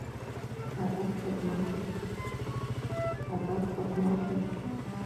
هدف خدمت دی